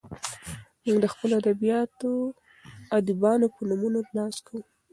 موږ د خپلو ادیبانو په نومونو ناز کوو.